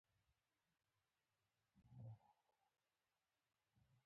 د درملنې لپاره څه شی اړین دی؟